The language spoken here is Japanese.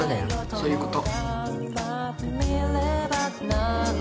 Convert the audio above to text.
そういうこと。